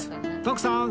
徳さん